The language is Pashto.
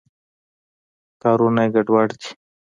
کارونه یې ګډوډ دي.